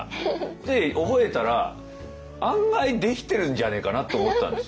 で覚えたら案外できてるんじゃねえかなと思ったんですよ。